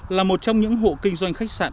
là một trong những hộ kinh doanh khách sạn